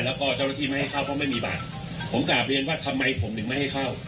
แล้วก็เจ้าหน้าที่ไม่ให้เข้าเพราะไม่มีบาทผมกลับเรียนว่าทำไมผมถึงไม่ให้เข้า